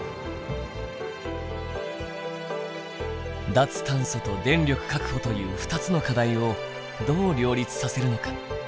脱炭素と電力確保という２つの課題をどう両立させるのか。